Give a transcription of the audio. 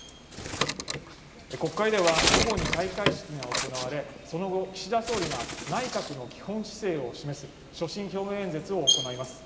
国会では午後に開会式が行われその後岸田総理が内閣の基本姿勢を示す所信表明演説を行います